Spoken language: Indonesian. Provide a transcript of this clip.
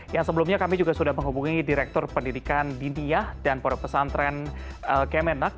yang sebelumnya kami juga sudah menghubungi direktur pendidikan diniah dan porpesantren kemenak